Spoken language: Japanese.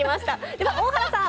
では大原さん